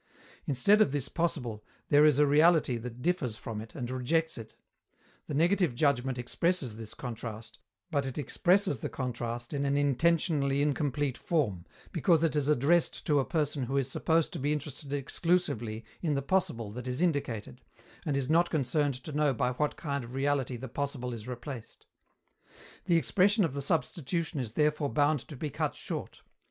Instead of this possible, there is a reality that differs from it and rejects it: the negative judgment expresses this contrast, but it expresses the contrast in an intentionally incomplete form, because it is addressed to a person who is supposed to be interested exclusively in the possible that is indicated, and is not concerned to know by what kind of reality the possible is replaced. The expression of the substitution is therefore bound to be cut short.